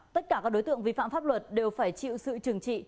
tất cả các đối tượng vi phạm pháp luật đều phải chịu sự trừng trị